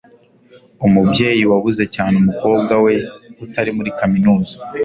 umubyeyi yabuze cyane umukobwa we, utari muri kaminuza